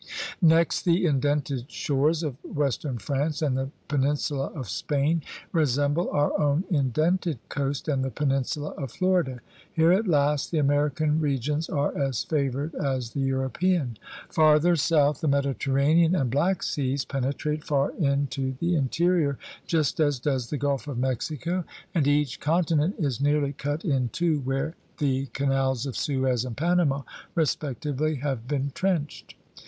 Next the indented shores of western France and the peninsula of Spain re semble our own indented coast and the peninsula of Florida. Here at last the American regions are as favored as the European. Farther south the Mediterranean and Black seas penetrate far in to the interior just as does the Gulf of Mexico, and each continent is nearly cut in two where the THE FORM OF THE CONTINENT 47 canals of Suez and Panama respectively have been trenched.